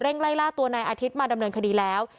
ไล่ล่าตัวนายอาทิตย์มาดำเนินคดีแล้ว